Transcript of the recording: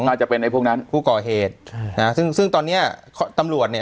น่าจะเป็นไอ้พวกนั้นผู้ก่อเหตุใช่นะซึ่งซึ่งตอนเนี้ยตำรวจเนี่ย